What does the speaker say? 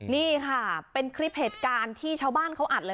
นี่ค่ะเป็นคลิปเหตุการณ์ที่ชาวบ้านเขาอัดเลย